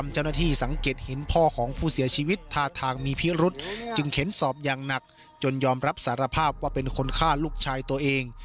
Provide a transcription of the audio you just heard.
จึงเข็นสอบอย่างหนักจนยอมรับสารภาพว่าเป็นคนฆ่าลูกชายตัวเอง